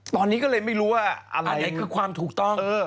ตอนนี้ก็เลยไม่รู้ว่าอันไหนคือความถูกต้อง